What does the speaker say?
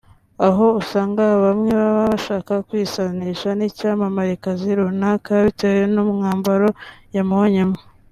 aho usanga bamwe baba bashaka kwisanisha n’icyamamarekazi runaka bitewe n’umwambaro yamubonyemo